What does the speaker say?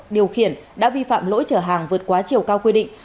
điều khiển đã vi phạm lỗi chở hàng vượt quá chiều cao quy định